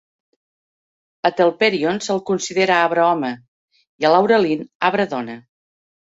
A Telperion se'l considera arbre home i a Laurelin, arbre dona.